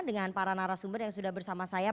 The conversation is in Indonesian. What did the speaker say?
dengan para narasumber yang sudah bersama saya